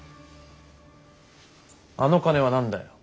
あの金は何だよ？